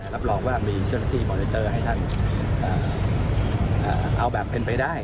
รับรองว่ามีเจ้าหน้าที่มอนิเตอร์ให้ท่านเอาแบบเป็นไปได้